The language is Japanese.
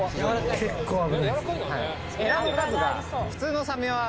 結構危ない。